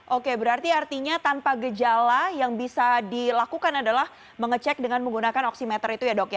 oke berarti artinya tanpa gejala yang bisa dilakukan adalah mengecek dengan menggunakan oksimeter itu ya dok ya